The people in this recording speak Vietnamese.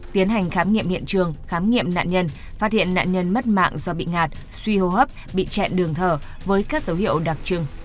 tiến hành khám nghiệm hiện trường khám nghiệm nạn nhân phát hiện nạn nhân mất mạng do bị ngạt suy hô hấp bị kẹn đường thở với các dấu hiệu đặc trưng